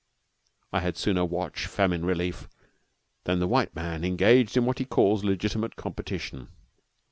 I had sooner watch famine relief than the white man engaged in what he calls legitimate competition.